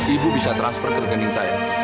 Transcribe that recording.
ibu bisa transfer ke rekening saya